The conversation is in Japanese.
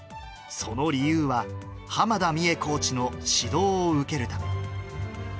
その理由は、濱田美栄コーチの指導を受けるため。